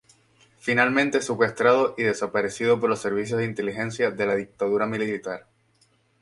Finalmente es secuestrado y desaparecido por los servicios de inteligencia de la Dictadura Militar.